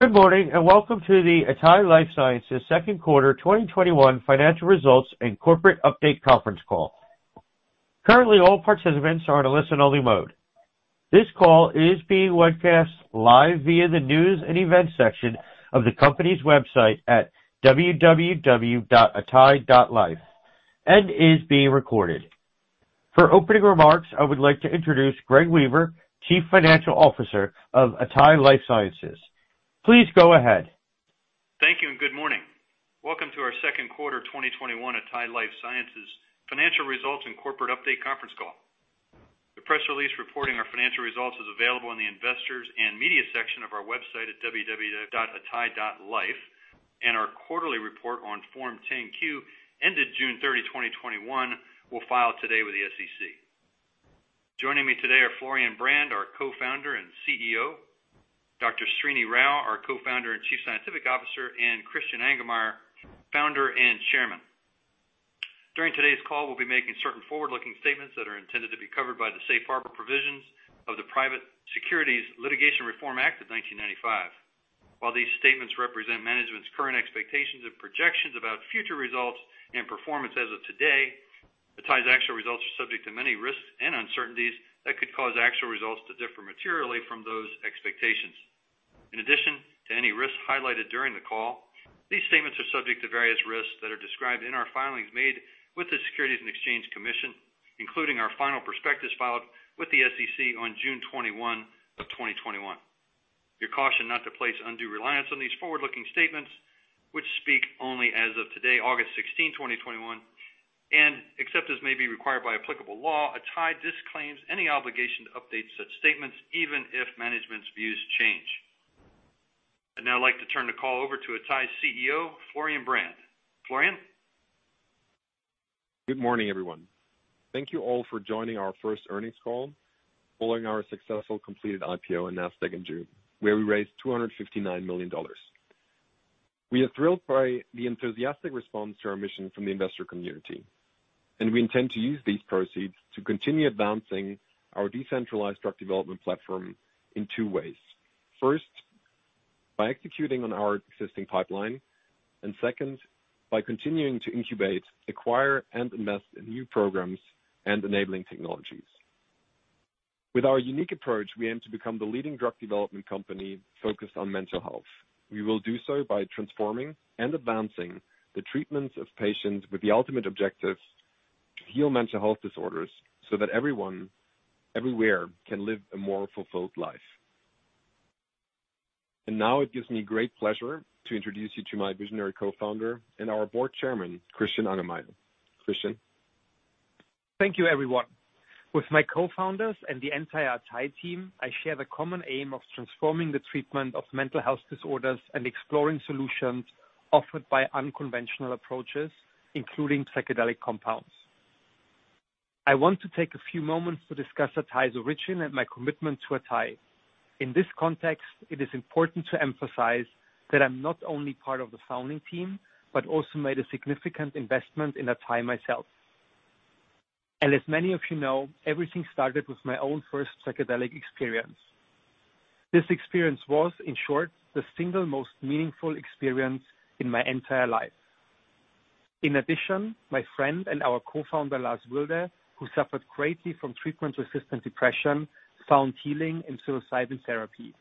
Good morning, welcome to the Atai Life Sciences Second Quarter 2021 Financial Results and Corporate Update Conference Call. Currently, all participants are in a listen-only mode. This call is being webcast live via the news and events section of the company's website at www.Atai.life, and is being recorded. For opening remarks, I would like to introduce Greg Weaver, Chief Financial Officer of Atai Life Sciences, please go ahead. Thank you and good morning. Welcome to our second quarter 2021 Atai Life Sciences financial results and corporate update conference call. The press release reporting our financial results is available in the investors and media section of our website at www.Atai.life, and our quarterly report on Form 10-Q, ended June 30, 2021, we'll file today with the SEC. Joining me today are Florian Brand, our Co-founder and CEO, Dr. Srinivas Rao, our Co-founder and Chief Scientific Officer, and Christian Angermayer, Founder and Chairman. During today's call, we'll be making certain forward-looking statements that are intended to be covered by the safe harbor provisions of the Private Securities Litigation Reform Act of 1995. While these statements represent management's current expectations and projections about future results and performance as of today, Atai's actual results are subject to many risks and uncertainties that could cause actual results to differ materially from those expectations. In addition to any risks highlighted during the call, these statements are subject to various risks that are described in our filings made with the Securities and Exchange Commission, including our final prospectus filed with the SEC on June 21, 2021. You're cautioned not to place undue reliance on these forward-looking statements, which speak only as of today, August 16, 2021. Except as may be required by applicable law, Atai disclaims any obligation to update such statements, even if management's views change. I'd now like to turn the call over to Atai's CEO, Florian Brand, Florian? Good morning, everyone. Thank you all for joining our first earnings call following our successful completed IPO on NASDAQ in June, where we raised $259 million. We are thrilled by the enthusiastic response to our mission from the investor community, we intend to use these proceeds to continue advancing our decentralized drug development platform in two ways. First, by executing on our existing pipeline, second, by continuing to incubate, acquire, and invest in new programs and enabling technologies. With our unique approach, we aim to become the leading drug development company focused on mental health. We will do so by transforming and advancing the treatments of patients with the ultimate objective to heal mental health disorders so that everyone everywhere can live a more fulfilled life. Now it gives me great pleasure to introduce you to my visionary co-founder and our board chairman, Christian Angermayer, Christian? Thank you, everyone. With my co-founders and the entire Atai team, I share the common aim of transforming the treatment of mental health disorders and exploring solutions offered by unconventional approaches, including psychedelic compounds. I want to take a few moments to discuss Atai's origin and my commitment to Atai. In this context, it is important to emphasize that I'm not only part of the founding team, but also made a significant investment in Atai myself. As many of you know, everything started with my own first psychedelic experience. This experience was, in short, the single most meaningful experience in my entire life. In addition, my friend and our co-founder, Lars Wilde, who suffered greatly from treatment-resistant depression, found healing in psilocybin therapy.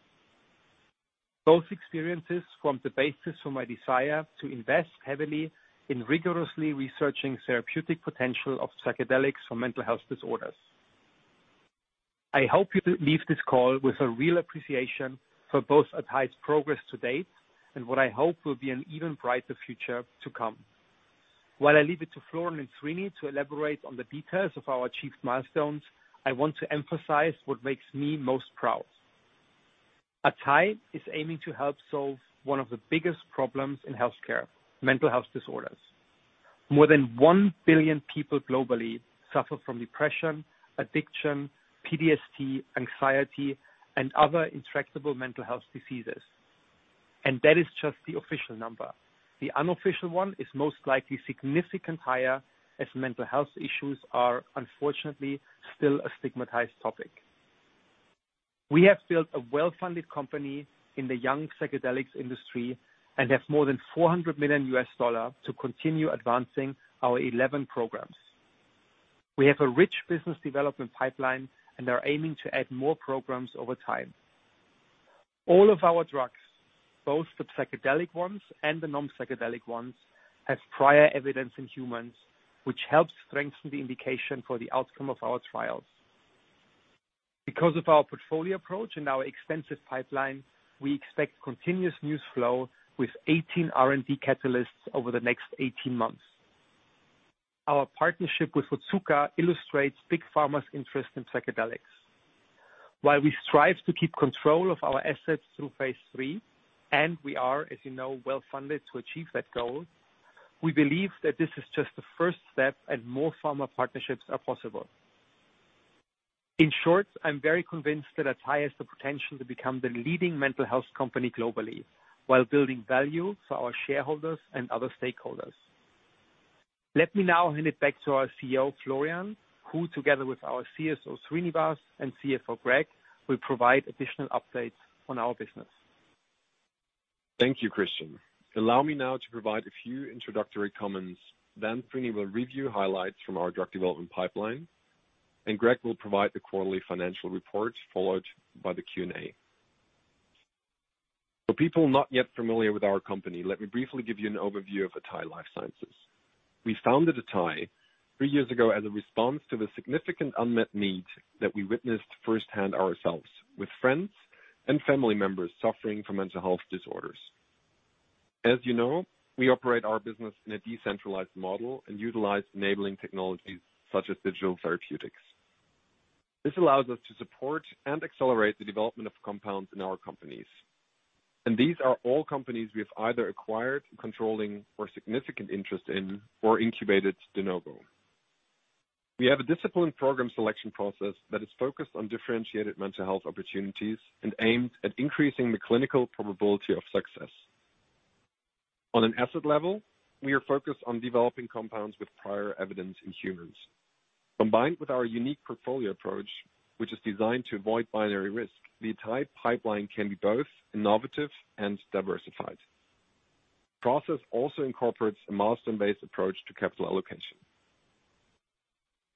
Both experiences formed the basis for my desire to invest heavily in rigorously researching therapeutic potential of psychedelics for mental health disorders. I hope you leave this call with a real appreciation for both Atai's progress to date and what I hope will be an even brighter future to come. While I leave it to Florian and Srini to elaborate on the details of our achieved milestones, I want to emphasize what makes me most proud. Atai is aiming to help solve one of the biggest problems in healthcare, mental health disorders. More than 1 billion people globally suffer from depression, addiction, PTSD, anxiety, and other intractable mental health diseases. That is just the official number. The unofficial one is most likely significantly higher, as mental health issues are unfortunately still a stigmatized topic. We have built a well-funded company in the young psychedelics industry and have more than $400 million to continue advancing our 11 programs. We have a rich business development pipeline and are aiming to add more programs over time. All of our drugs, both the psychedelic ones and the non-psychedelic ones, have prior evidence in humans, which helps strengthen the indication for the outcome of our trials. Because of our portfolio approach and our extensive pipeline, we expect continuous news flow with 18 R&D catalysts over the next 18 months. Our partnership with Otsuka illustrates Big Pharma's interest in psychedelics. While we strive to keep control of our assets through phase III, and we are, as you know, well-funded to achieve that goal, we believe that this is just the first step and more pharma partnerships are possible. In short, I'm very convinced that Atai has the potential to become the leading mental health company globally while building value for our shareholders and other stakeholders. Let me now hand it back to our CEO, Florian, who together with our CSO, Srinivas, and CFO, Greg, will provide additional updates on our business. Thank you, Christian. Allow me now to provide a few introductory comments. Srini will review highlights from our drug development pipeline, and Greg will provide the quarterly financial report followed by the Q&A. For people not yet familiar with our company, let me briefly give you an overview of Atai Life Sciences. We founded Atai three years ago as a response to the significant unmet need that we witnessed firsthand ourselves with friends and family members suffering from mental health disorders. As you know, we operate our business in a decentralized model and utilize enabling technologies such as digital therapeutics. This allows us to support and accelerate the development of compounds in our companies. These are all companies we have either acquired, controlling or significant interest in or incubated de novo. We have a disciplined program selection process that is focused on differentiated mental health opportunities and aimed at increasing the clinical probability of success. On an asset level, we are focused on developing compounds with prior evidence in humans. Combined with our unique portfolio approach, which is designed to avoid binary risk, the Atai pipeline can be both innovative and diversified. Process also incorporates a milestone-based approach to capital allocation.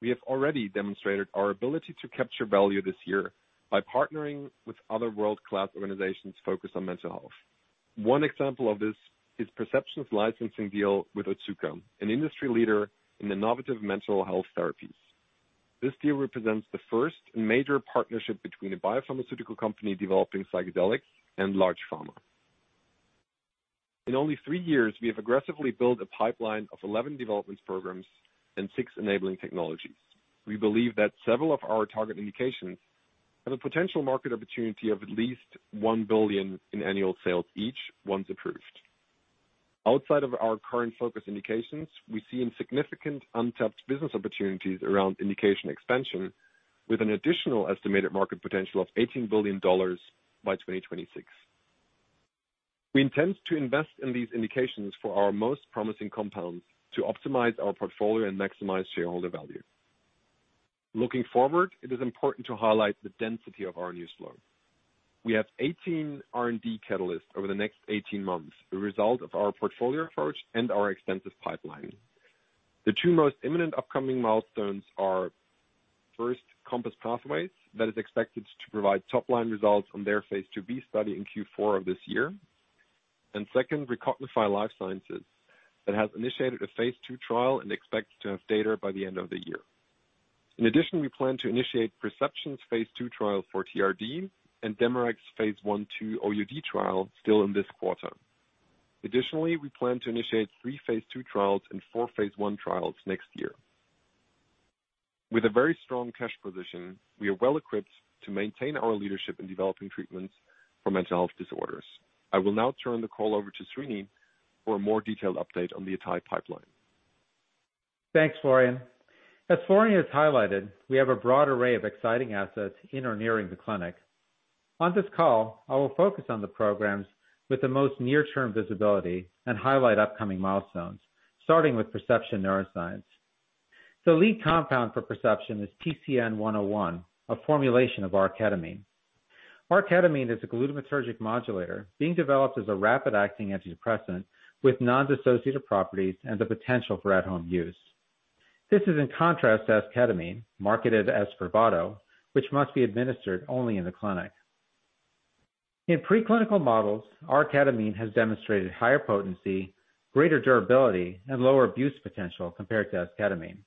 We have already demonstrated our ability to capture value this year by partnering with other world-class organizations focused on mental health. One example of this is Perception's licensing deal with Otsuka, an industry leader in innovative mental health therapies. This deal represents the first major partnership between a biopharmaceutical company developing psychedelics and large pharma. In only three years, we have aggressively built a pipeline of 11 development programs and six enabling technologies. We believe that several of our target indications have a potential market opportunity of at least $1 billion in annual sales each, once approved. Outside of our current focus indications, we see significant untapped business opportunities around indication expansion with an additional estimated market potential of $18 billion by 2026. We intend to invest in these indications for our most promising compounds to optimize our portfolio and maximize shareholder value. Looking forward, it is important to highlight the density of our news flow. We have 18 R&D catalysts over the next 18 months, a result of our portfolio approach and our extensive pipeline. The two most imminent upcoming milestones are, first, Compass Pathways, that is expected to provide top-line results on their phase II-B study in Q4 of this year. Second, Recognify Life Sciences, that has initiated a phase II trial and expects to have data by the end of the year. In addition, we plan to initiate Perception's phase II trial for TRD and DemeRx's phase I/II OUD trial still in this quarter. Additionally, we plan to initiate three phase II trials and four phase I trials next year. With a very strong cash position, we are well equipped to maintain our leadership in developing treatments for mental health disorders. I will now turn the call over to Srini for a more detailed update on the Atai pipeline. Thanks, Florian. As Florian has highlighted, we have a broad array of exciting assets in or nearing the clinic. On this call, I will focus on the programs with the most near-term visibility and highlight upcoming milestones, starting with Perception Neuroscience. Lead compound for Perception is PCN-101, a formulation of R-ketamine. R-ketamine is a glutamatergic modulator being developed as a rapid-acting antidepressant with non-dissociative properties and the potential for at-home use. This is in contrast to esketamine, marketed as SPRAVATO, which must be administered only in the clinic. In preclinical models, R-ketamine has demonstrated higher potency, greater durability, and lower abuse potential compared to esketamine.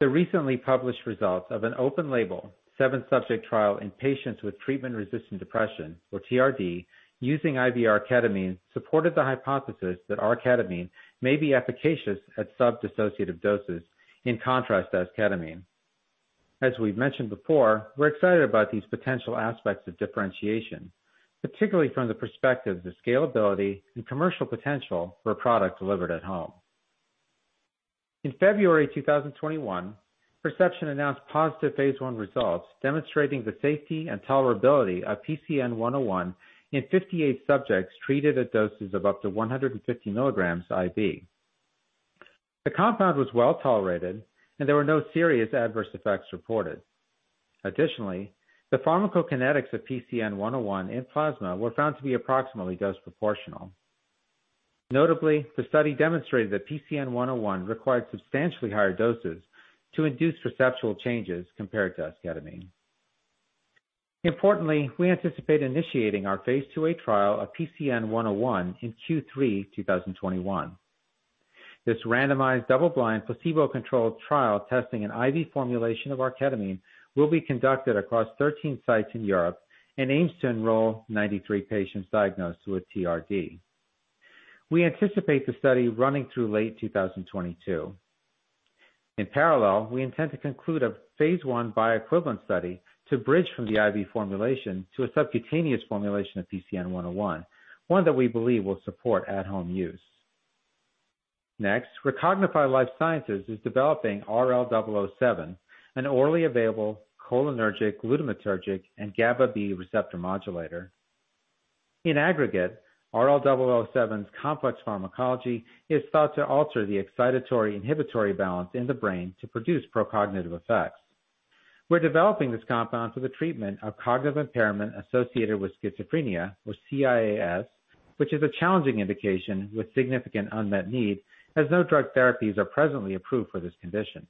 The recently published results of an open-label, seven-subject trial in patients with treatment-resistant depression, or TRD, using IV R-ketamine supported the hypothesis that R-ketamine may be efficacious at sub-dissociative doses, in contrast to esketamine. As we've mentioned before, we're excited about these potential aspects of differentiation, particularly from the perspective of the scalability and commercial potential for a product delivered at home. In February 2021, Perception announced positive phase I results demonstrating the safety and tolerability of PCN-101 in 58 subjects treated at doses of up to 150 mg IV. The compound was well-tolerated, and there were no serious adverse effects reported. The pharmacokinetics of PCN-101 in plasma were found to be approximately dose proportional. The study demonstrated that PCN-101 required substantially higher doses to induce perceptual changes compared to esketamine. We anticipate initiating our phase II-A trial of PCN-101 in Q3 2021. This randomized, double-blind, placebo-controlled trial testing an IV formulation of R-ketamine will be conducted across 13 sites in Europe and aims to enroll 93 patients diagnosed with TRD. We anticipate the study running through late 2022. In parallel, we intend to conclude a phase I bioequivalent study to bridge from the IV formulation to a subcutaneous formulation of PCN-101, one that we believe will support at-home use. Next, Recognify Life Sciences is developing RL-007, an orally available cholinergic, glutamatergic, and GABAB receptor modulator. In aggregate, RL-007's complex pharmacology is thought to alter the excitatory inhibitory balance in the brain to produce procognitive effects. We're developing this compound for the treatment of cognitive impairment associated with schizophrenia, or CIAS, which is a challenging indication with significant unmet need, as no drug therapies are presently approved for this condition.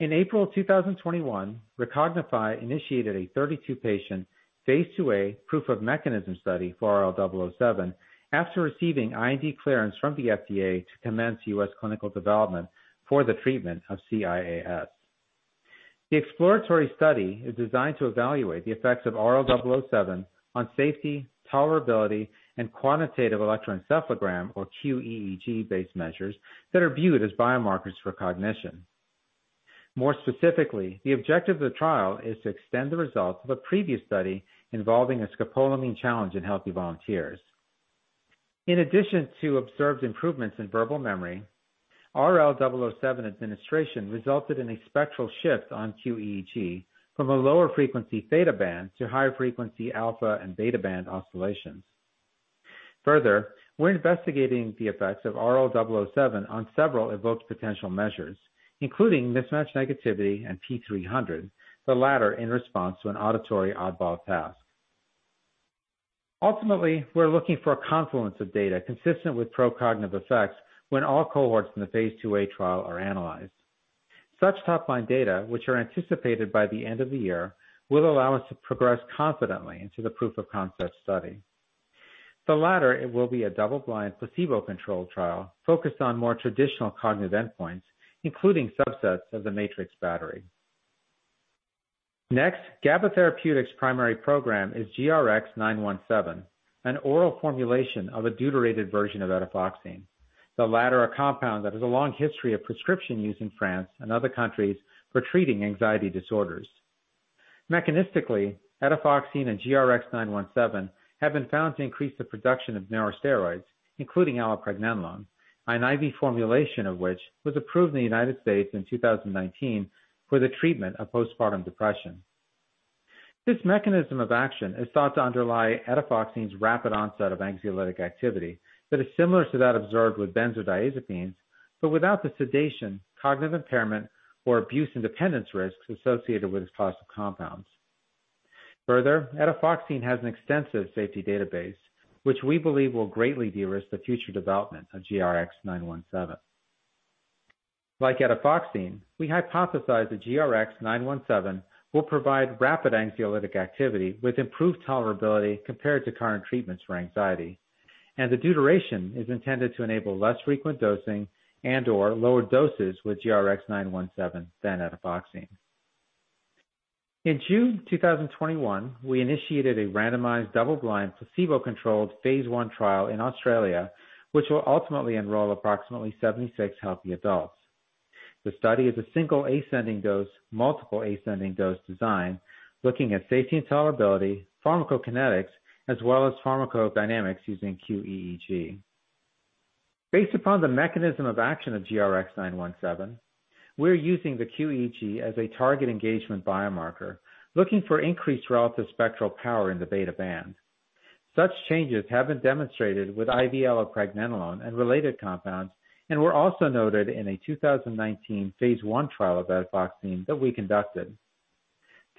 In April 2021, Recognify initiated a 32-patient, phase II-A proof of mechanism study for RL-007 after receiving IND clearance from the FDA to commence U.S. clinical development for the treatment of CIAS. The exploratory study is designed to evaluate the effects of RL-007 on safety, tolerability, and quantitative electroencephalogram, or qEEG-based measures that are viewed as biomarkers for cognition. More specifically, the objective of the trial is to extend the results of a previous study involving a scopolamine challenge in healthy volunteers. In addition to observed improvements in verbal memory, RL-007 administration resulted in a spectral shift on qEEG from a lower frequency theta band to higher frequency alpha and beta band oscillations. Further, we're investigating the effects of RL-007 on several evoked potential measures, including mismatch negativity and P300, the latter in response to an auditory oddball task. Ultimately, we're looking for a confluence of data consistent with procognitive effects when all cohorts in the phase II-A trial are analyzed. Such top-line data, which are anticipated by the end of the year, will allow us to progress confidently into the proof of concept study. The latter, it will be a double-blind, placebo-controlled trial focused on more traditional cognitive endpoints, including subsets of the MATRICS battery. Next, GABA Therapeutics primary program is GRX-917, an oral formulation of a deuterated version of etifoxine, the latter a compound that has a long history of prescription use in France and other countries for treating anxiety disorders. Mechanistically, etifoxine and GRX-917 have been found to increase the production of neurosteroids, including allopregnanolone, an IV formulation of which was approved in the U.S. in 2019 for the treatment of postpartum depression. This mechanism of action is thought to underlie etifoxine's rapid onset of anxiolytic activity that is similar to that observed with benzodiazepines, but without the sedation, cognitive impairment, or abuse and dependence risks associated with this class of compounds. Further, etifoxine has an extensive safety database, which we believe will greatly de-risk the future development of GRX-917. Like etifoxine, we hypothesize that GRX-917 will provide rapid anxiolytic activity with improved tolerability compared to current treatments for anxiety, and the deuteration is intended to enable less frequent dosing and/or lower doses with GRX-917 than etifoxine. In June 2021, we initiated a randomized, double-blind, placebo-controlled phase I trial in Australia, which will ultimately enroll approximately 76 healthy adults. The study is a single ascending dose, multiple ascending dose design looking at safety and tolerability, pharmacokinetics, as well as pharmacodynamics using qEEG. Based upon the mechanism of action of GRX-917, we're using the qEEG as a target engagement biomarker, looking for increased relative spectral power in the beta band. Such changes have been demonstrated with IV allopregnanolone and related compounds and were also noted in a 2019 phase I trial of etifoxine that we conducted.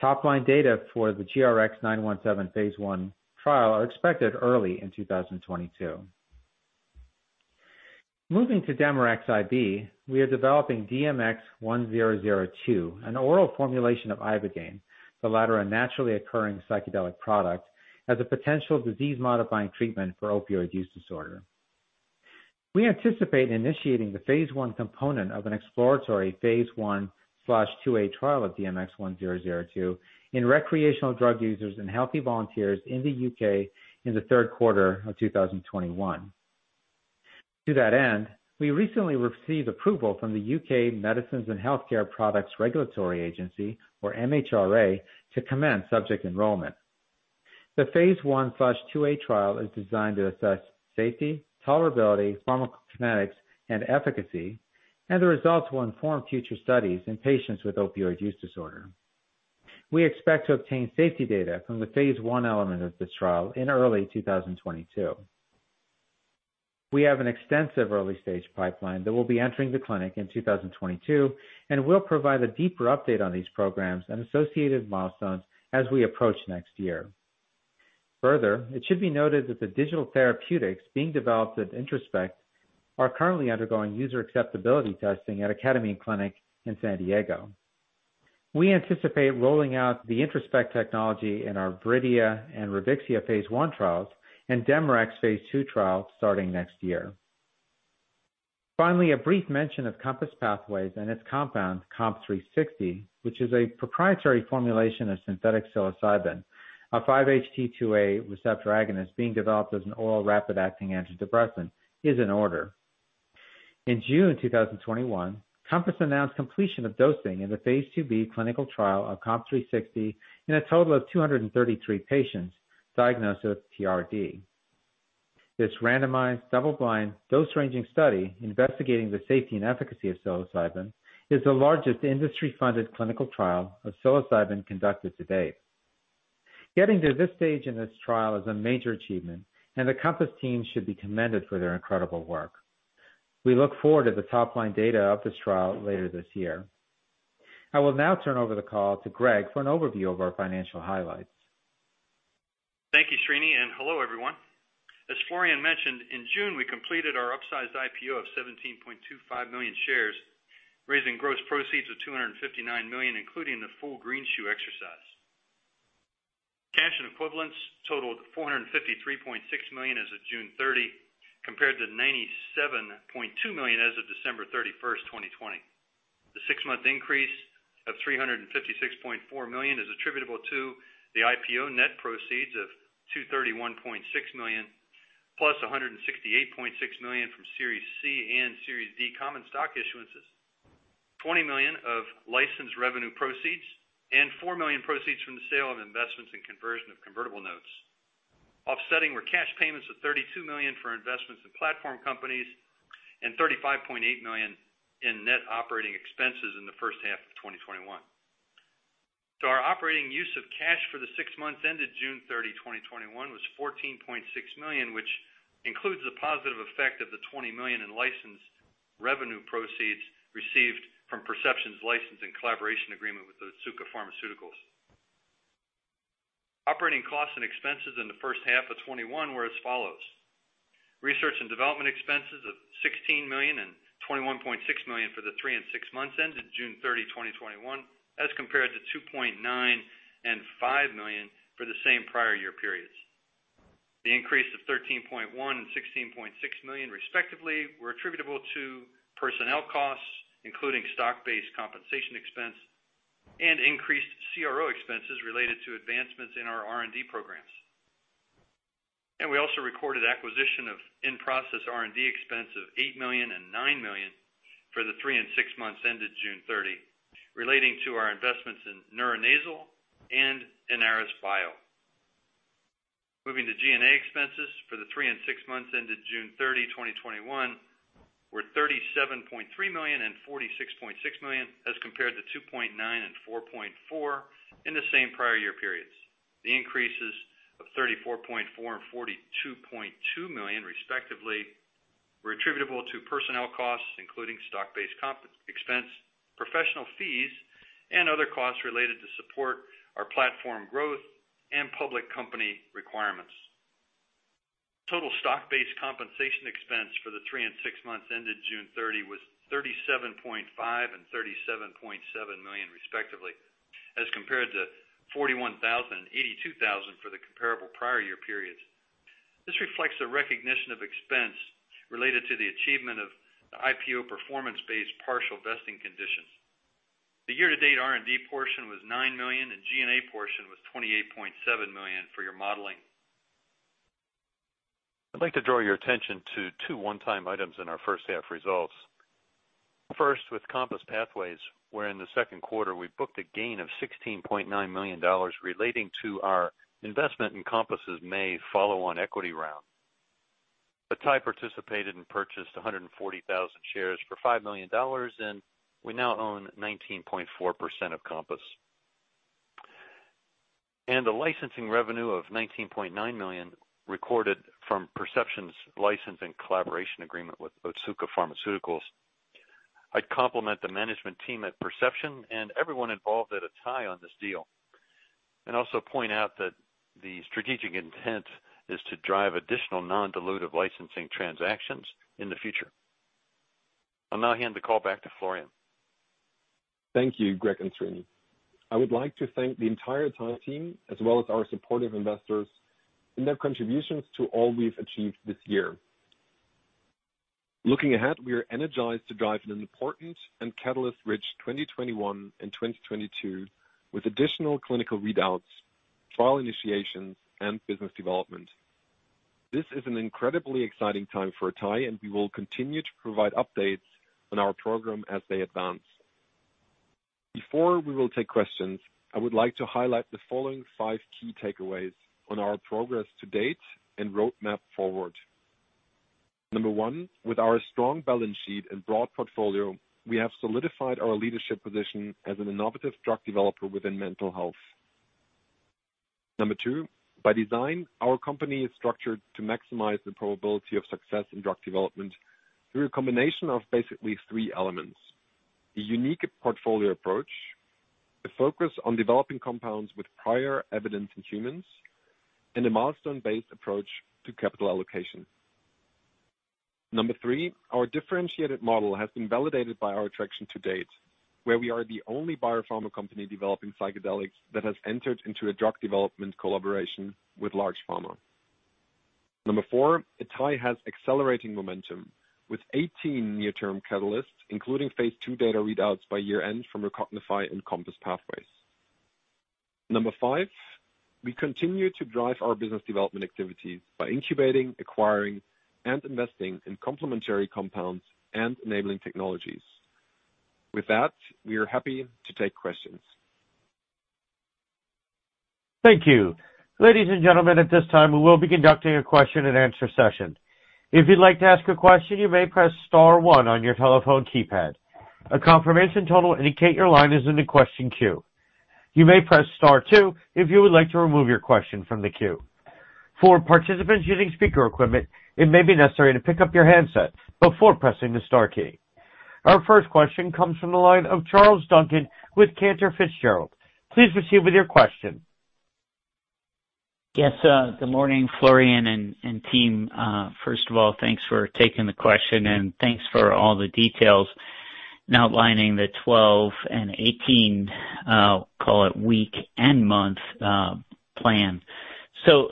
Top-line data for the GRX-917 phase I trial are expected early in 2022. Moving to DemeRx IB, we are developing DMX-1002, an oral formulation of ibogaine, the latter a naturally occurring psychedelic product, as a potential disease-modifying treatment for opioid use disorder. We anticipate initiating the phase I component of an exploratory phase I/II-A trial of DMX-1002 in recreational drug users and healthy volunteers in the U.K. in the third quarter of 2021. To that end, we recently received approval from the U.K. Medicines and Healthcare products Regulatory Agency, or MHRA, to commence subject enrollment. The phase I/IIa trial is designed to assess safety, tolerability, pharmacokinetics, and efficacy, and the results will inform future studies in patients with opioid use disorder. We expect to obtain safety data from the phase I element of this trial in early 2022. We have an extensive early-stage pipeline that will be entering the clinic in 2022 and will provide a deeper update on these programs and associated milestones as we approach next year. It should be noted that the digital therapeutics being developed at IntroSpect are currently undergoing user acceptability testing at Kadima Clinic in San Diego. We anticipate rolling out the IntroSpect technology in our Viridia and Revixia phase I trials and DemeRx phase II trial starting next year. Finally, a brief mention of Compass Pathways and its compound COMP360, which is a proprietary formulation of synthetic psilocybin, a 5HT2A receptor agonist being developed as an oral rapid-acting antidepressant, is in order. In June 2021, Compass announced completion of dosing in the phase II-B clinical trial of COMP360 in a total of 233 patients diagnosed with TRD. This randomized double-blind dose ranging study investigating the safety and efficacy of psilocybin is the largest industry funded clinical trial of psilocybin conducted to date. Getting to this stage in this trial is a major achievement, and the Compass team should be commended for their incredible work. We look forward to the top-line data of this trial later this year. I will now turn over the call to Greg for an overview of our financial highlights. Thank you, Srini, and hello, everyone. As Florian mentioned, in June, we completed our upsized IPO of 17.25 million shares, raising gross proceeds of $259 million, including the full greenshoe exercise. Cash and equivalents totaled $453.6 million as of June 30, compared to $97.2 million as of December 31st, 2020. The six-month increase of $356.4 million is attributable to the IPO net proceeds of $231.6 million, plus $168.6 million from Series C and Series D common stock issuances, $20 million of licensed revenue proceeds, and $4 million proceeds from the sale of investments in conversion of convertible notes. Offsetting were cash payments of $32 million for investments in platform companies and $35.8 million in net operating expenses in the first half of 2021. Our operating use of cash for the six months ended June 30, 2021, was $14.6 million, which includes the positive effect of the $20 million in license revenue proceeds received from Perception Neuroscience's license and collaboration agreement with Otsuka Pharmaceutical. Operating costs and expenses in the first half of 2021 were as follows. Research and development expenses of $16 million and $21.6 million for the three and six months ended June 30, 2021, as compared to $2.9 million and $5 million for the same prior-year periods. The increase of $13.1 million and $16.6 million, respectively, were attributable to personnel costs, including stock-based compensation expense and increased CRO expenses related to advancements in our R&D programs. We also recorded acquisition of in-process R&D expense of $8 million and $9 million for the three and six months ended June 30, relating to our investments in Neuronasal and InharrisBio. Moving to G&A expenses for the three and six months ended June 30, 2021, were $37.3 million and $46.6 million as compared to $2.9 million and $4.4 million in the same prior-year periods. The increases of $34.4 million and $42.2 million, respectively, were attributable to personnel costs, including stock-based comp expense, professional fees, and other costs related to support our platform growth and public company requirements. Total stock-based compensation expense for the three and six months ended June 30 was $37.5 million and $37.7 million, respectively, as compared to $41,000 and $82,000 for the comparable prior-year period. This reflects a recognition of expense related to the achievement of the IPO performance-based partial vesting conditions. The year-to-date R&D portion was $9 million and G&A portion was $28.7 million for your modeling. I'd like to draw your attention to two one-time items in our first half results. First, with Compass Pathways, where in the second quarter we booked a gain of $16.9 million relating to our investment in Compass May follow-on equity round. Atai participated and purchased 140,000 shares for $5 million, and we now own 19.4% of Compass. The licensing revenue of $19.9 million recorded from Perception's license and collaboration agreement with Otsuka Pharmaceutical. I'd compliment the management team at Perception, and everyone involved at Atai on this deal, and also point out that the strategic intent is to drive additional non-dilutive licensing transactions in the future. I'll now hand the call back to Florian. Thank you, Greg and Srini. I would like to thank the entire Atai team as well as our supportive investors and their contributions to all we've achieved this year. Looking ahead, we are energized to drive an important and catalyst-rich 2021 and 2022 with additional clinical readouts, trial initiations, and business development. This is an incredibly exciting time for Atai, and we will continue to provide updates on our program as they advance. Before we will take questions, I would like to highlight the following five key takeaways on our progress to date and roadmap forward. Number one, with our strong balance sheet and broad portfolio, we have solidified our leadership position as an innovative drug developer within mental health. Number two, by design, our company is structured to maximize the probability of success in drug development through a combination of basically three elements, a unique portfolio approach, a focus on developing compounds with prior evidence in humans, and a milestone-based approach to capital allocation. Number three, our differentiated model has been validated by our traction to date, where we are the only biopharma company developing psychedelics that has entered into a drug development collaboration with large pharma. Number four, Atai has accelerating momentum with 18 near-term catalysts, including phase II data readouts by year end from Recognify and Compass Pathways. Number five, we continue to drive our business development activities by incubating, acquiring, and investing in complementary compounds and enabling technologies. With that, we are happy to take questions Thank you, ladies and gentlemen, at this time, we will be conducting a question-and-answer session. If you'd like to ask a question, you may press star one on your telephone keypad. A confirmation tone will indicate your line is in the question queue. You may press star two if you would like to remove your question from the queue. For participants using speaker equipment, it may be necessary to pick up your handset before pressing the star key. Our first question comes from the line of Charles Duncan with Cantor Fitzgerald. Please proceed with your question. Yes, good morning, Florian and team. First of all, thanks for taking the question, and thanks for all the details in outlining the 12 and 18, call it, week and month plan. I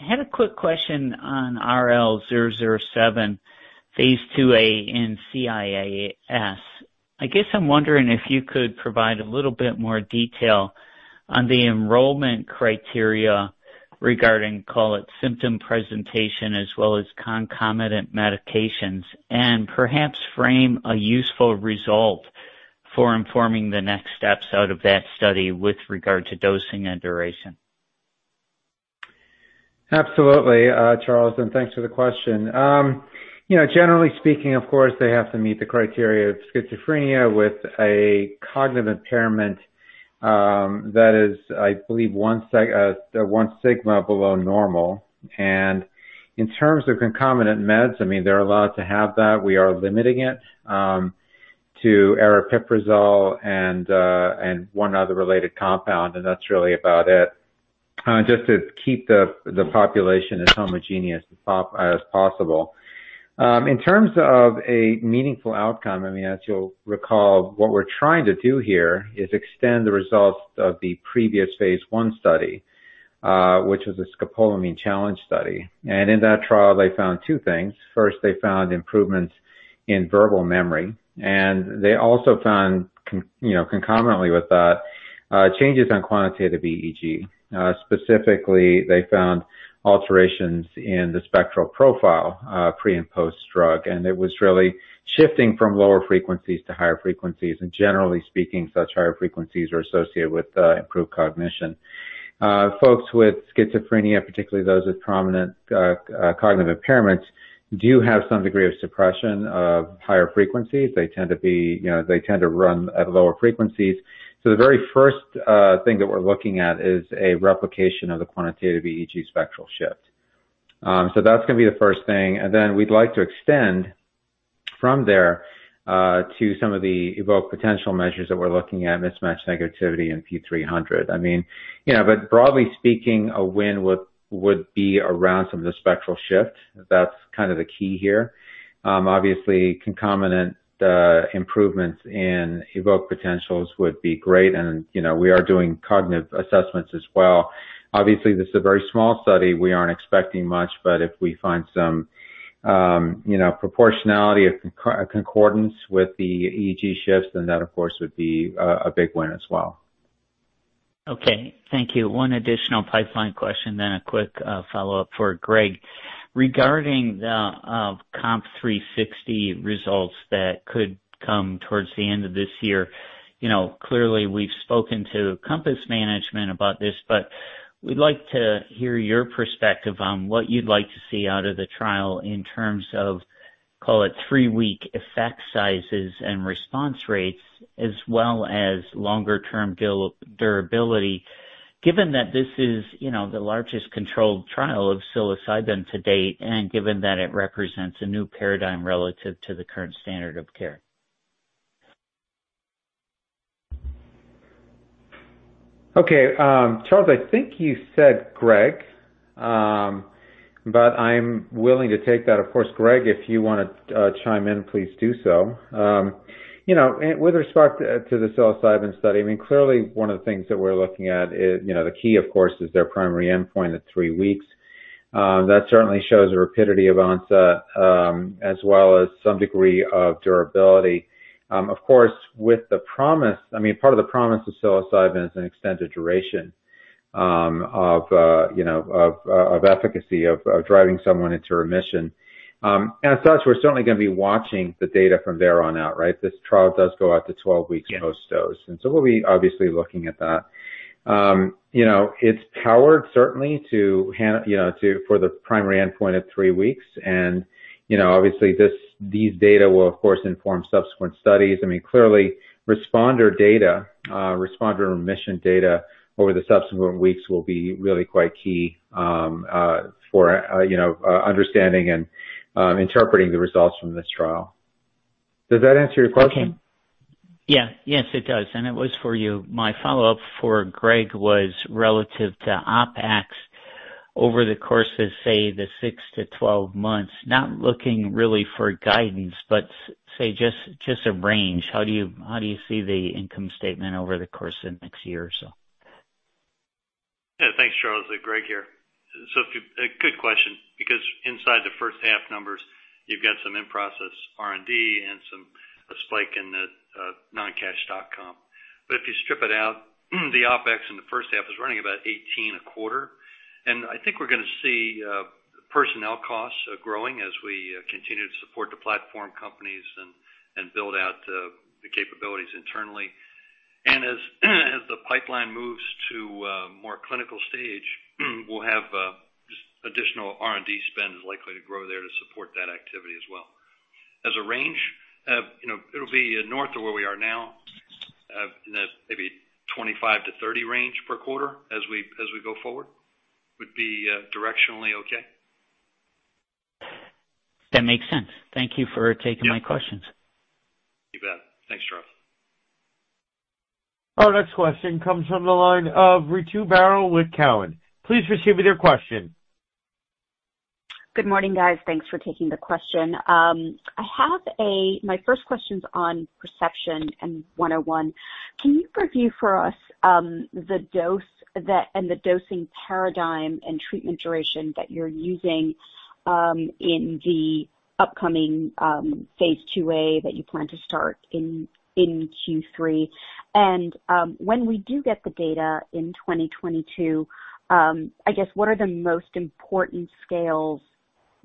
had a quick question on RL-007, phase II-A in CIAS. I guess I'm wondering if you could provide a little bit more detail on the enrollment criteria regarding, call it, symptom presentation as well as concomitant medications, and perhaps frame a useful result for informing the next steps out of that study with regard to dosing and duration. Absolutely, Charles, thanks for the question. Generally speaking, of course, they have to meet the criteria of schizophrenia with a cognitive impairment that is, I believe, one sigma below normal. In terms of concomitant meds, they're allowed to have that. We are limiting it to aripiprazole and one other related compound, and that's really about it. Just to keep the population as homogeneous as possible. In terms of a meaningful outcome, as you'll recall, what we're trying to do here is extend the results of the previous phase I study, which was a scopolamine challenge study. In that trial, they found two things. First, they found improvements in verbal memory, they also found, concomitantly with that, changes in quantitative EEG. Specifically, they found alterations in the spectral profile, pre and post-drug. It was really shifting from lower frequencies to higher frequencies. Generally speaking, such higher frequencies are associated with improved cognition. Folks with schizophrenia, particularly those with prominent cognitive impairments, do have some degree of suppression of higher frequencies. They tend to run at lower frequencies. The very first thing that we're looking at is a replication of the quantitative EEG spectral shift. That's going to be the first thing. Then we'd like to extend from there to some of the evoked potential measures that we're looking at, mismatch negativity and P300. Broadly speaking, a win would be around some of the spectral shift. That's kind of the key here. Obviously, concomitant improvements in evoked potentials would be great, and we are doing cognitive assessments as well. Obviously, this is a very small study. We aren't expecting much, but if we find some proportionality of concordance with the EEG shifts, then that, of course, would be a big win as well. Okay, thank you. One additional pipeline question, then a quick follow-up for Greg. Regarding the COMP360 results that could come towards the end of this year. We've spoken to Compass management about this, but we'd like to hear your perspective on what you'd like to see out of the trial in terms of, call it, three-week effect sizes and response rates, as well as longer-term durability, given that this is the largest controlled trial of psilocybin to date and given that it represents a new paradigm relative to the current standard of care. Okay, Charles, I think you said Greg, I'm willing to take that. Of course, Greg, if you want to chime in, please do so. With respect to the psilocybin study, clearly one of the things that we're looking at is the key, of course, is their primary endpoint at three weeks. That certainly shows a rapidity of onset, as well as some degree of durability. Of course, part of the promise of psilocybin is an extended duration of efficacy, of driving someone into remission. As such, we're certainly going to be watching the data from there on out, right? This trial does go out to 12 weeks post-dose. We'll be obviously looking at that. It's powered, certainly, for the primary endpoint of three weeks, and obviously these data will, of course, inform subsequent studies. Responder remission data over the subsequent weeks will be really quite key for understanding and interpreting the results from this trial. Does that answer your question? Okay, yeah. Yes, it does. It was for you. My follow-up for Greg was relative to OpEx over the course of, say, the 6-12 months. Not looking really for guidance, say, just a range. How do you see the income statement over the course of the next year or so? Yeah, thanks, Charles. Greg here, good question. Inside the first half numbers, you've got some in-process R&D and a spike in the non-cash stock comp. If you strip it out, the OpEx in the first half is running about $18 a quarter. I think we're going to see personnel costs growing as we continue to support the platform companies and build out capabilities internally. As the pipeline moves to more clinical stage, we'll have just additional R&D spend is likely to grow there to support that activity as well. As a range, it'll be north of where we are now, in that maybe $25-$30 range per quarter as we go forward, would be directionally okay. That makes sense, thank you for taking my questions. You bet, thanks, Charles. Our next question comes from the line of Ritu Baral with TD Cowen. Please proceed with your question. Good morning, guys. Thanks for taking the question. My first question's on Perception Neuroscience and PCN-101. Can you review for us the dose and the dosing paradigm and treatment duration that you're using in the upcoming phase II-A that you plan to start in Q3? When we do get the data in 2022, I guess, what are the most important scales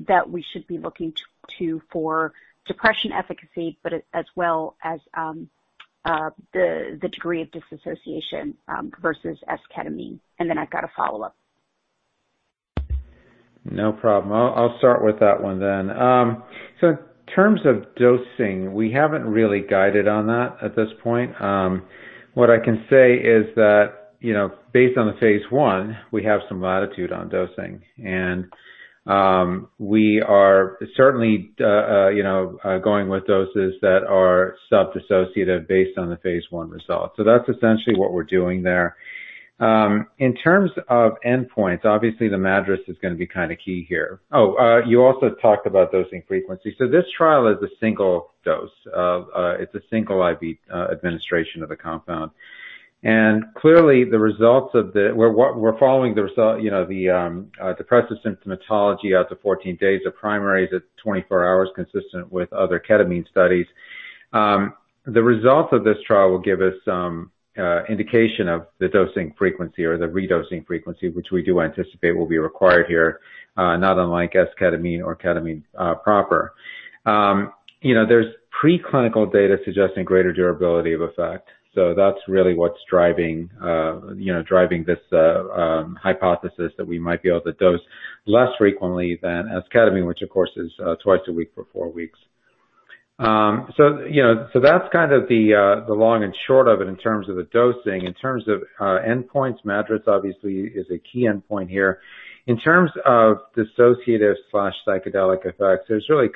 that we should be looking to for depression efficacy, but as well as the degree of dissociation, versus S-ketamine? Then I've got a follow-up. No problem, I'll start with that one then. In terms of dosing, we haven't really guided on that at this point. What I can say is that based on the phase I, we have some latitude on dosing, and we are certainly going with doses that are sub-dissociative based on the phase I results. That's essentially what we're doing there. In terms of endpoints, obviously the MADRS is going to be key here. You also talked about dosing frequency. This trial is a single dose. It's a single IV administration of the compound. Clearly, we're following the depressive symptomatology out to 14 days of primary to 24 hours consistent with other ketamine studies. The results of this trial will give us some indication of the dosing frequency or the re-dosing frequency, which we do anticipate will be required here, not unlike S-ketamine or ketamine proper. There's pre-clinical data suggesting greater durability of effect. That's really what's driving this hypothesis that we might be able to dose less frequently than S-ketamine, which, of course, is twice a week for four weeks. That's the long and short of it in terms of the dosing. In terms of endpoints, MADRS obviously is a key endpoint here. In terms of dissociative/psychedelic effects, there's really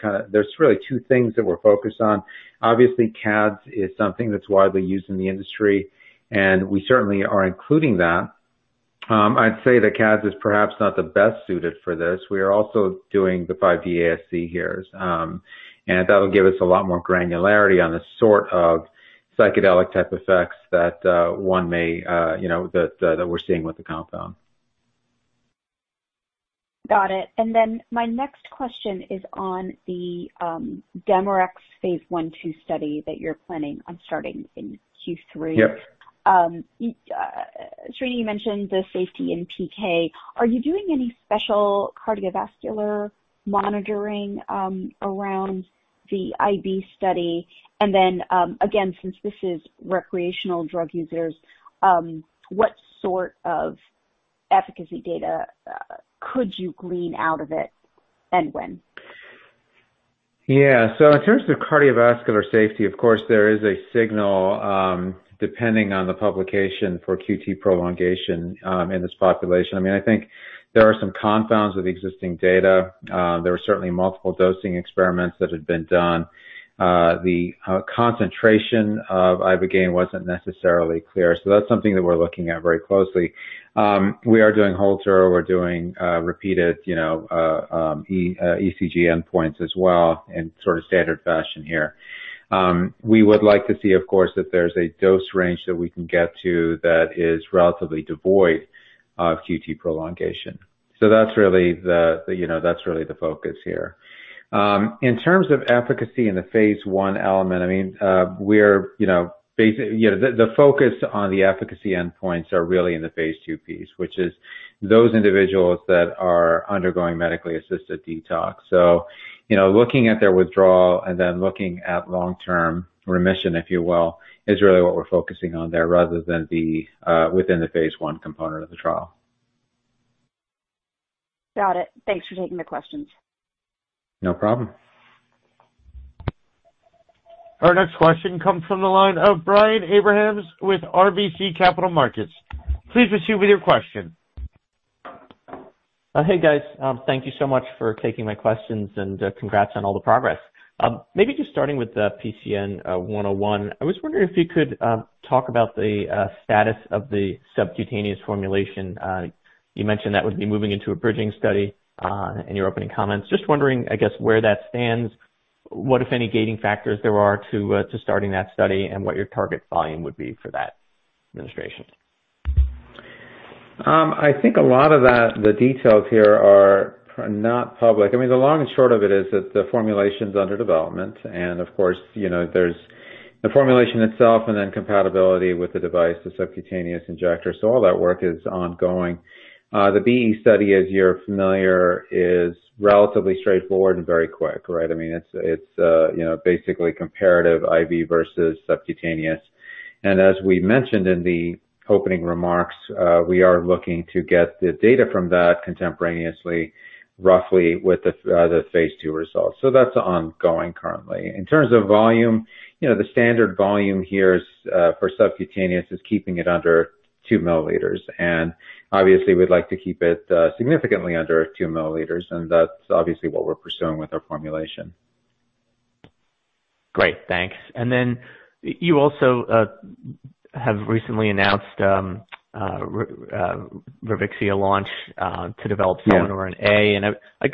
two things that we're focused on. Obviously, CDSS is something that's widely used in the industry, and we certainly are including that. I'd say that CDSS is perhaps not the best suited for this. We are also doing the 5D-ASC here. That'll give us a lot more granularity on the sort of psychedelic type effects that we're seeing with the compound. Got it, my next question is on the DemeRx phase I/II study that you're planning on starting in Q3. Yep. Srini, you mentioned the safety in PK. Are you doing any special cardiovascular monitoring around the IV study? Again, since this is recreational drug users, what sort of efficacy data could you glean out of it, and when? Yeah, in terms of cardiovascular safety, of course, there is a signal, depending on the publication for QT prolongation, in this population. I think there are some confounds with existing data. There were certainly multiple dosing experiments that had been done. The concentration of ibogaine wasn't necessarily clear, that's something that we're looking at very closely. We are doing Holter. We're doing repeated ECG endpoints as well in standard fashion here. We would like to see, of course, that there's a dose range that we can get to that is relatively devoid of QT prolongation. That's really the focus here. In terms of efficacy in the phase I element, the focus on the efficacy endpoints are really in the phase II piece, which is those individuals that are undergoing medically assisted detox. Looking at their withdrawal and then looking at long-term remission, if you will, is really what we're focusing on there rather than within the phase I component of the trial. Got it, thanks for taking the questions. No problem. Our next question comes from the line of Brian Abrahams with RBC Capital Markets. Please proceed with your question. Hey, guys. Thank you so much for taking my questions, and congrats on all the progress. Maybe just starting with PCN-101, I was wondering if you could talk about the status of the subcutaneous formulation. You mentioned that would be moving into a bridging study in your opening comments. Just wondering, I guess, where that stands, what if any gating factors there are to starting that study, and what your target volume would be for that administration. I think a lot of that, the details here are not public. The long and short of it is that the formulation's under development, and of course, there's the formulation itself and then compatibility with the device, the subcutaneous injector. All that work is ongoing, the BE study, as you're familiar, is relatively straightforward and very quick, right? It's basically comparative IV versus subcutaneous. As we mentioned in the opening remarks, we are looking to get the data from that contemporaneously, roughly with the other phase II results. That's ongoing currently. In terms of volume, the standard volume here for subcutaneous is keeping it under 2 mL. Obviously, we'd like to keep it significantly under 2 mL, and that's obviously what we're pursuing with our formulation. Great, thanks. You also have recently announced, Revixia launch to develop Salvinorin A.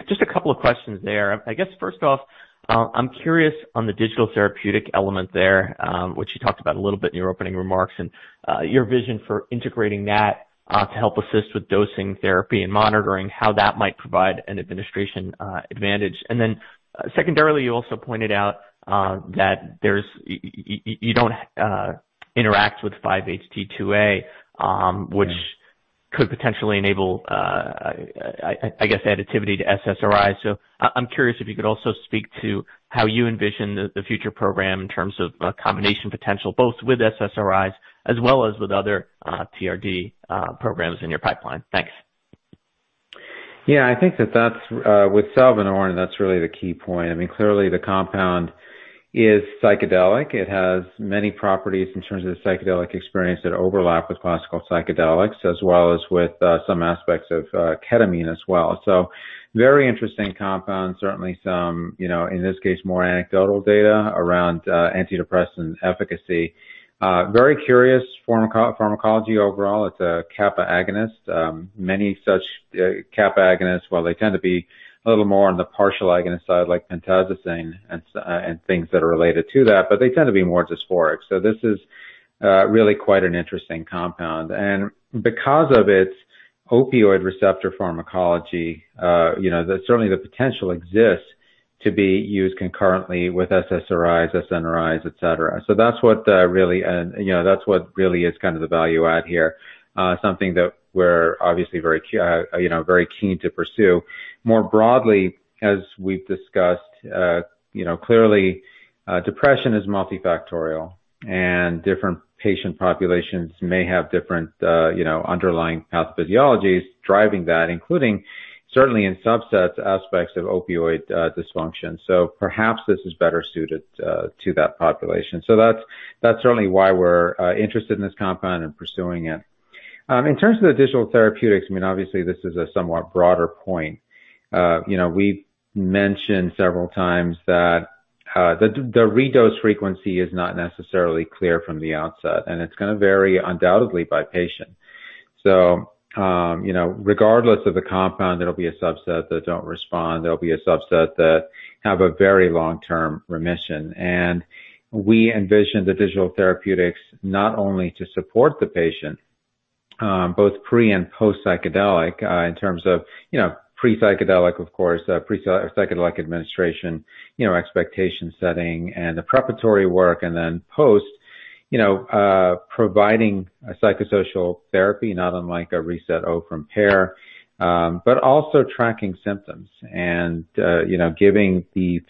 Just a couple of questions there. I guess first off, I'm curious on the digital therapeutic element there, which you talked about a little bit in your opening remarks and your vision for integrating that to help assist with dosing therapy and monitoring, how that might provide an administration advantage. Secondarily, you also pointed out that you don't interact with 5-HT2A which could potentially enable, I guess, additivity to SSRIs. I'm curious if you could also speak to how you envision the future program in terms of combination potential, both with SSRIs as well as with other TRD programs in your pipeline. Thanks. Yeah, I think that with Salvinorin, that's really the key point. I mean, clearly the compound is psychedelic. It has many properties in terms of the psychedelic experience that overlap with classical psychedelics, as well as with some aspects of ketamine as well. A very interesting compound. Certainly some, in this case, more anecdotal data around antidepressant efficacy. Very curious pharmacology overall. It's a kappa agonist. Many such kappa agonists, well, they tend to be a little more on the partial agonist side, like pentazocine and things that are related to that, but they tend to be more dysphoric. This is really quite an interesting compound. Because of its opioid receptor pharmacology, certainly the potential exists to be used concurrently with SSRIs, SNRIs, et cetera. That's what really is the value add here. Something that we're obviously very keen to pursue. More broadly, as we've discussed, clearly depression is multifactorial, and different patient populations may have different underlying pathophysiology driving that, including certainly in subsets aspects of opioid dysfunction. Perhaps this is better suited to that population. That's certainly why we're interested in this compound and pursuing it. In terms of the digital therapeutics, I mean, obviously this is a somewhat broader point. We've mentioned several times that the redose frequency is not necessarily clear from the outset, and it's going to vary undoubtedly by patient. Regardless of the compound, there'll be a subset that don't respond, there'll be a subset that have a very long-term remission. We envision the digital therapeutics not only to support the patient, both pre- and post-psychedelic in terms of pre-psychedelic, of course, pre-psychedelic administration, expectation setting and the preparatory work, and then post, providing a psychosocial therapy, not unlike a reSET-O from Pear. Also tracking symptoms and giving the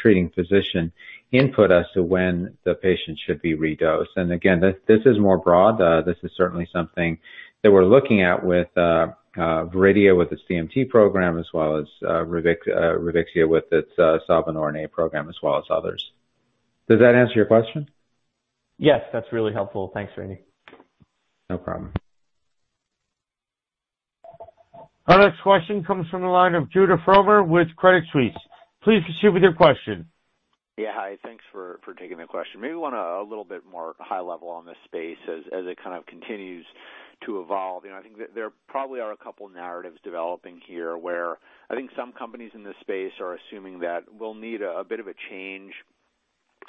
treating physician input as to when the patient should be redosed. Again, this is more broad. This is certainly something that we're looking at with Viridia with its DMT program, as well as Revixia with its Salvinorin A program, as well as others. Does that answer your question? Yes, that's really helpful, thanks, Srini. No problem. Our next question comes from the line of Judah Frommer with Credit Suisse. Please proceed with your question. Yeah, hi, thanks for taking the question. Maybe on a little bit more high level on this space as it kind of continues to evolve. I think that there probably are a couple narratives developing here where I think some companies in this space are assuming that we'll need a bit of a change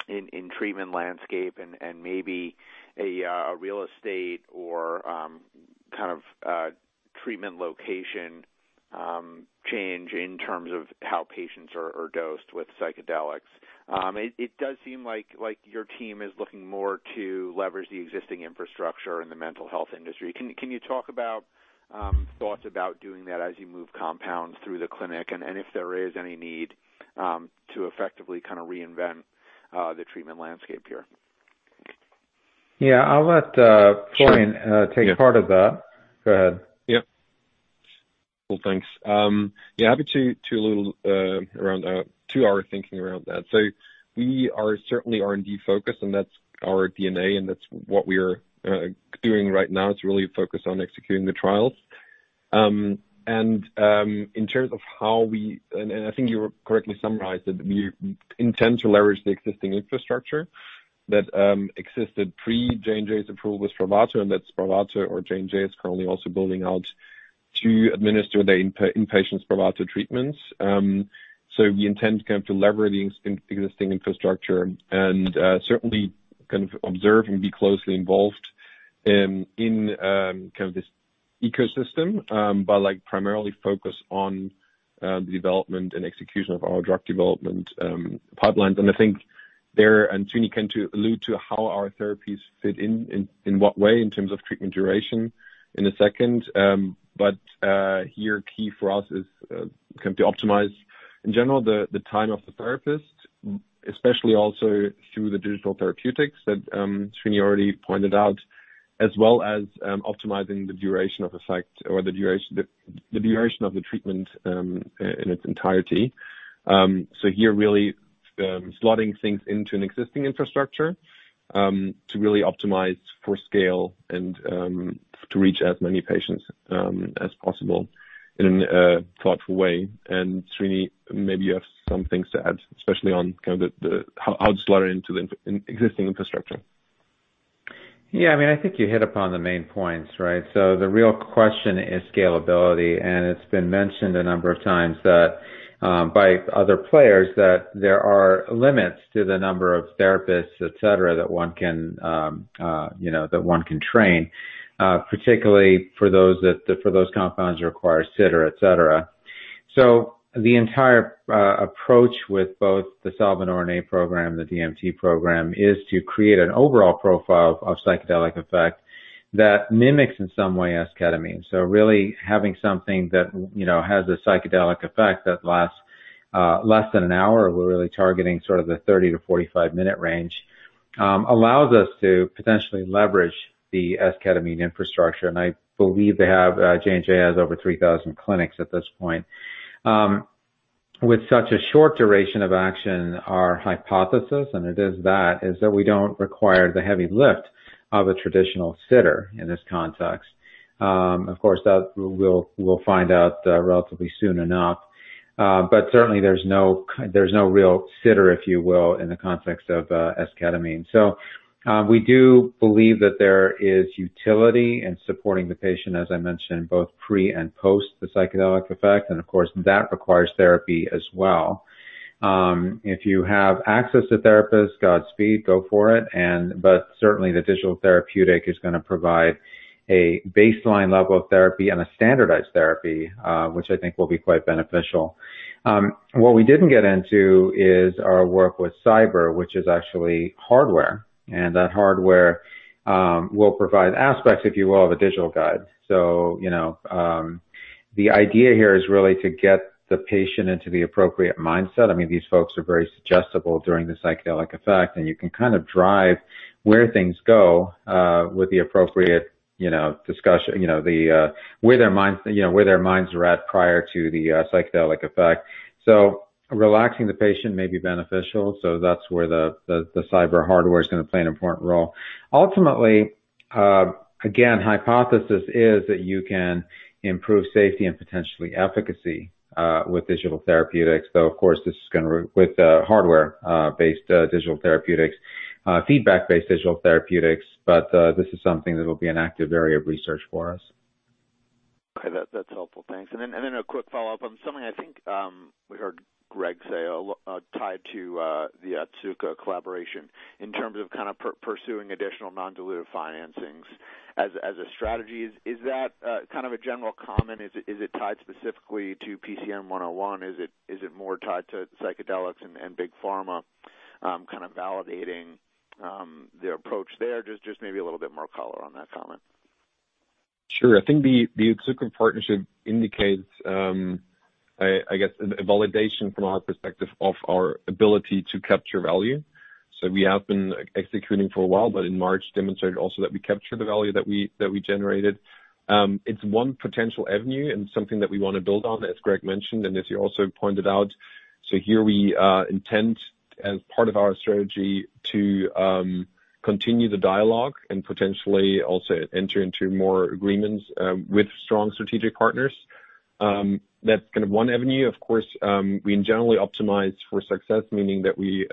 in treatment landscape and maybe a real estate or treatment location change in terms of how patients are dosed with psychedelics. It does seem like your team is looking more to leverage the existing infrastructure in the mental health industry. Can you talk about thoughts about doing that as you move compounds through the clinic, and if there is any need to effectively reinvent the treatment landscape here? Yeah, I'll let Florian take part of that, go ahead. Well, thanks. Happy to; a little around our thinking around that. We are certainly R&D focused, and that's our DNA and that's what we're doing right now is really focused on executing the trials. I think you correctly summarized that we intend to leverage the existing infrastructure that existed pre-J&J's approval with SPRAVATO, and that SPRAVATO or J&J is currently also building out to administer the inpatient SPRAVATO treatments. We intend to leverage the existing infrastructure and certainly observe and be closely involved in this ecosystem. Primarily focus on the development and execution of our drug development pipelines. I think there, and Srini can allude to how our therapies fit in what way in terms of treatment duration in a second. Here key for us is can be optimized. In general, the time of the therapist, especially also through the digital therapeutics that Srini already pointed out, as well as optimizing the duration of effect or the duration of the treatment in its entirety. Here really, slotting things into an existing infrastructure to really optimize for scale and to reach as many patients as possible in a thoughtful way. Srini, maybe you have some things to add, especially on kind of how to slot it into the existing infrastructure. Yeah, I think you hit upon the main points, right? The real question is scalability, and it's been mentioned a number of times by other players that there are limits to the number of therapists, et cetera, that one can train. Particularly, for those compounds that require a sitter, et cetera. The entire approach with both the Salvinorin A program, the DMT program, is to create an overall profile of psychedelic effect that mimics in some way S-ketamine. Really having something that has a psychedelic effect that lasts less than an hour. We're really targeting sort of the 30–45-minute range. Allows us to potentially leverage the S-ketamine infrastructure, and I believe J&J has over 3,000 clinics at this point. With such a short duration of action, our hypothesis, and it is that, is that we don't require the heavy lift of a traditional sitter in this context. That we'll find out relatively soon enough. Certainly, there's no real sitter, if you will, in the context of S-ketamine. We do believe that there is utility in supporting the patient, as I mentioned, both pre- and post the psychedelic effect, and of course, that requires therapy as well. If you have access to therapists, Godspeed, go for it. Certainly, the digital therapeutic is going to provide a baseline level of therapy and a standardized therapy, which I think will be quite beneficial. What we didn't get into is our work with Psyber, which is actually hardware. That hardware will provide aspects, if you will, of a digital guide. The idea here is really to get the patient into the appropriate mindset. These folks are very suggestible during the psychedelic effect, and you can kind of drive where things go with the appropriate discussion, where their minds are at prior to the psychedelic effect. Relaxing the patient may be beneficial. That's where the Psyber hardware is going to play an important role. Ultimately, again, hypothesis is that you can improve safety and potentially efficacy with digital therapeutics, though of course, with hardware-based digital therapeutics, feedback-based digital therapeutics. This is something that will be an active area of research for us. Okay, that's helpful. Thanks, then a quick follow-up on something I think we heard Greg say, tied to the Otsuka collaboration in terms of kind of pursuing additional non-dilutive financings as a strategy. Is that kind of a general comment? Is it tied specifically to PCN-101? Is it more tied to psychedelics and Big Pharma kind of validating the approach there? Just maybe a little bit more color on that comment. Sure, I think the Otsuka partnership indicates, I guess, a validation from our perspective of our ability to capture value. We have been executing for a while, but in March demonstrated also that we capture the value that we generated. It's one potential avenue and something that we want to build on, as Greg mentioned, and as you also pointed out. Here we intend as part of our strategy to continue the dialogue and potentially also enter into more agreements with strong strategic partners. That's kind of one avenue. Of course, we generally optimize for success, meaning that we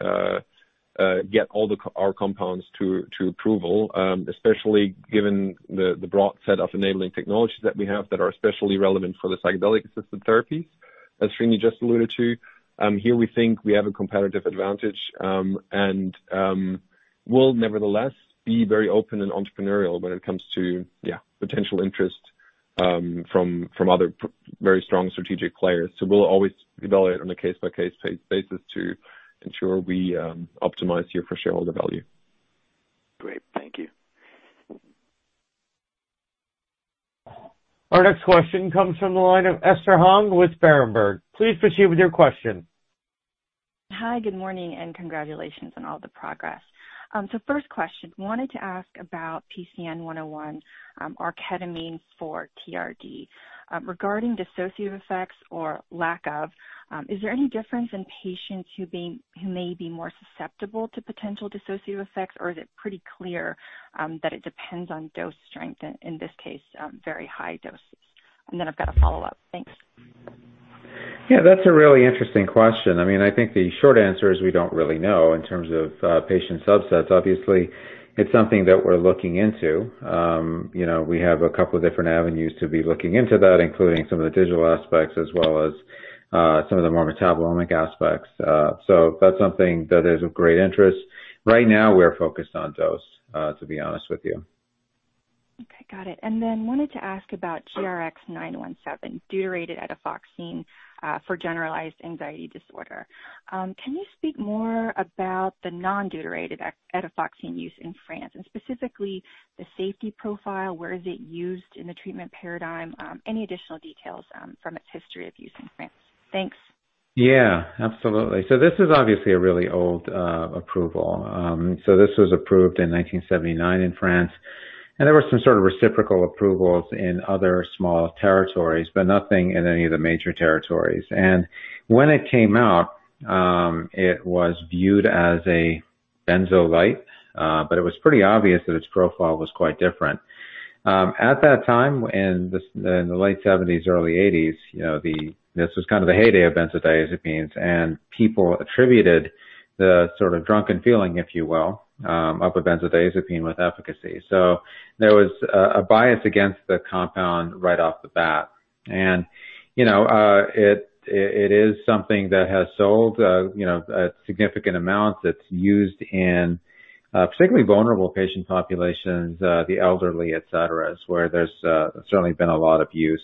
get all our compounds to approval, especially given the broad set of enabling technologies that we have that are especially relevant for the psychedelic-assisted therapies that Srini just alluded to. Here we think we have a competitive advantage, and we'll nevertheless be very open and entrepreneurial when it comes to potential interest from other very strong strategic players. We'll always evaluate on a case-by-case basis to ensure we optimize here for shareholder value. Great, thank you. Our next question comes from the line of Esther Hong with Berenberg Capital Markets. Please proceed with your question. Hi, good morning, and congratulations on all the progress. First question, wanted to ask about PCN-101, R-ketamine for TRD. Regarding dissociative effects or lack of, is there any difference in patients who may be more susceptible to potential dissociative effects, or is it pretty clear that it depends on dose strength, in this case, very high doses? I've got a follow-up, thanks. That's a really interesting question. I think the short answer is we don't really know in terms of patient subsets. It's something that we're looking into. We have a couple of different avenues to be looking into that, including some of the digital aspects as well as some of the more metabolomic aspects. That's something that is of great interest. Right now, we're focused on dose, to be honest with you. Okay, got it. Wanted to ask about GRX-917, deuterated etifoxine for generalized anxiety disorder. Can you speak more about the non-deuterated etifoxine use in France? Specifically, the safety profile, where is it used in the treatment paradigm? Any additional details from its history of use in France? Thanks. Yeah, absolutely, this is obviously a really old approval. This was approved in 1979 in France, and there were some sort of reciprocal approvals in other small territories, but nothing in any of the major territories. When it came out, it was viewed as a benzo light, but it was pretty obvious that its profile was quite different. At that time, in the late 1970s, early 1980s, this was kind of the heyday of benzodiazepines, and people attributed the sort of drunken feeling, if you will, of a benzodiazepine with efficacy. There was a bias against the compound right off the bat. It is something that has sold a significant amount that's used in particularly vulnerable patient populations, the elderly, et cetera, is where there's certainly been a lot of use.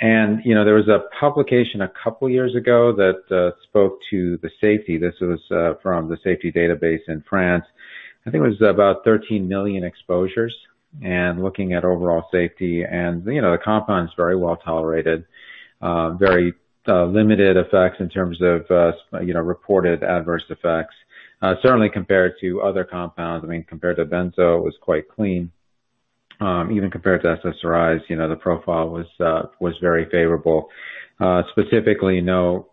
There was a publication a couple of years ago that spoke to the safety. This was from the safety database in France. I think it was about 13 million exposures and looking at overall safety. The compound's very well-tolerated, very limited effects in terms of reported adverse effects. Certainly, compared to other compounds, compared to benzo, it was quite clean. Even compared to SSRIs, the profile was very favorable. Specifically, no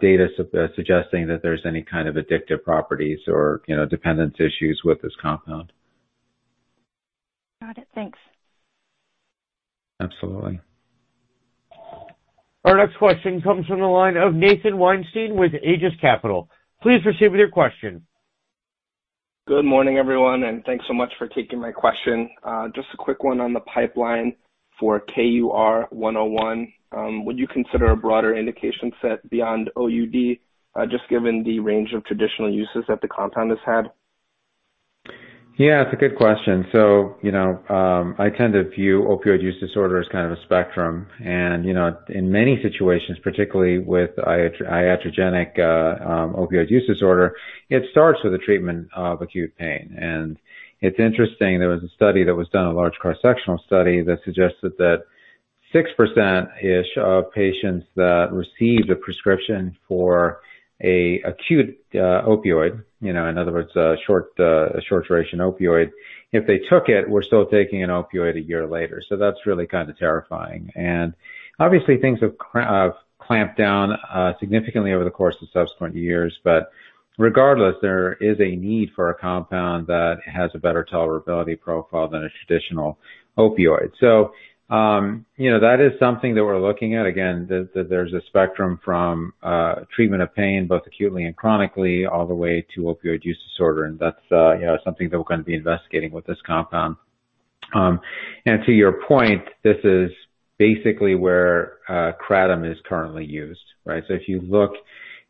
data suggesting that there's any kind of addictive properties or dependence issues with this compound. Got it, thanks. Absolutely. Our next question comes from the line of Nathan Weinstein with Aegis Capital. Please proceed with your question. Good morning, everyone, and thanks so much for taking my question. Just a quick one on the pipeline for KUR-101. Would you consider a broader indication set beyond OUD, just given the range of traditional uses that the compound has had? Yeah, it's a good question. I tend to view opioid use disorder as kind of a spectrum. In many situations, particularly with iatrogenic opioid use disorder, it starts with the treatment of acute pain. It's interesting, there was a study that was done, a large cross-sectional study that suggested that 6% of patients that received a prescription for a acute opioid, in other words, a short duration opioid, if they took it, were still taking an opioid a year later. That's really kind of terrifying. Obviously things have clamped down significantly over the course of subsequent years. Regardless, there is a need for a compound that has a better tolerability profile than a traditional opioid. That is something that we're looking at. There's a spectrum from treatment of pain, both acutely and chronically, all the way to opioid use disorder, and that's something that we're going to be investigating with this compound. To your point, this is basically where kratom is currently used, right? If you look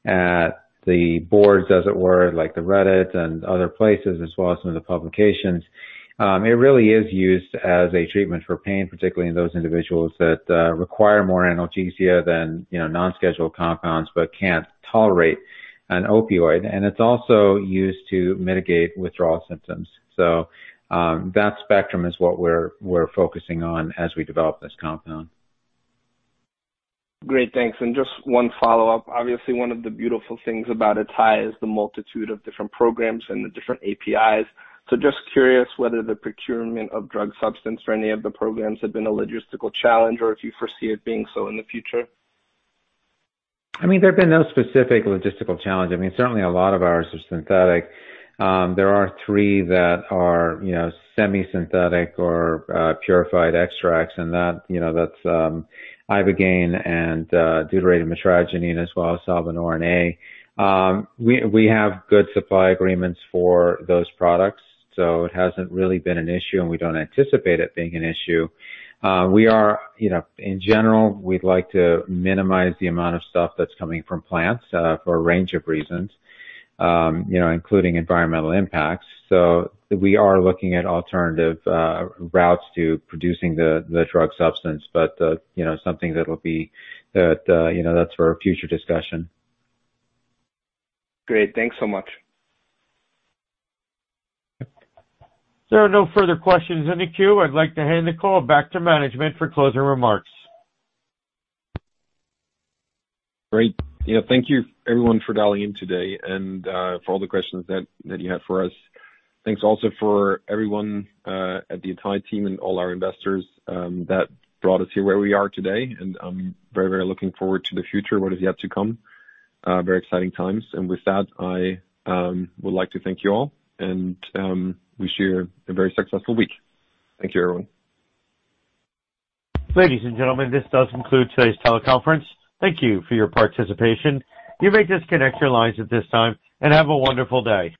at the boards, as it were, like the Reddits and other places, as well as some of the publications, it really is used as a treatment for pain, particularly in those individuals that require more analgesia than non-scheduled compounds but can't tolerate an opioid. It's also used to mitigate withdrawal symptoms. That spectrum is what we're focusing on as we develop this compound. Great, thanks. Just one follow-up, obviously, one of the beautiful things about Atai is the multitude of different programs and the different APIs. Just curious whether the procurement of drug substance for any of the programs have been a logistical challenge or if you foresee it being so in the future. There have been no specific logistical challenge. Certainly a lot of ours are synthetic. There are three that are semi-synthetic or purified extracts, and that's ibogaine and deuterated mitragynine as well as Salvinorin A. We have good supply agreements for those products, so it hasn't really been an issue, and we don't anticipate it being an issue. In general, we'd like to minimize the amount of stuff that's coming from plants for a range of reasons, including environmental impacts. We are looking at alternative routes to producing the drug substance, but that's for a future discussion. Great, thanks so much. There are no further questions in the queue. I'd like to hand the call back to management for closing remarks. Great, thank you everyone for dialing in today and for all the questions that you had for us. Thanks also for everyone at the Atai team and all our investors that brought us here where we are today. I'm very looking forward to the future, what is yet to come. Very exciting times, with that, I would like to thank you all and wish you a very successful week. Thank you, everyone. Ladies and gentlemen, this does conclude today's teleconference. Thank you for your participation. You may disconnect your lines at this time, and have a wonderful day.